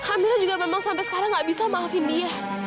amira juga memang sampai sekarang nggak bisa maafin dia